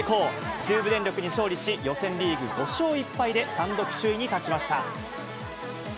中部電力に勝利し、予選リーグ５勝１敗で単独首位に立ちました。